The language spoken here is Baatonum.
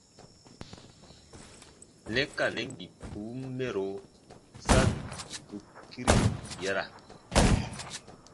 Nɛ ka nɛn bibun mɛro sa ǹ dukiri yara.